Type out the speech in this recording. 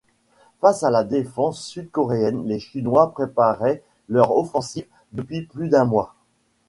Face à la défense sud-coréenne, les Chinois préparaient leur offensive depuis plus d'un mois.